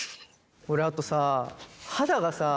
俺あとさ肌がさ